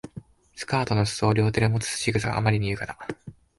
スカートの裾を両手でもつ仕草があまりに優雅だ